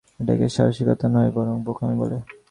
এটাকে সাহসিকতা নয় বরং বোকামি বলে।